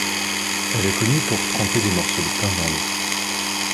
Elle est connue pour tremper des morceaux de pain dans l'eau.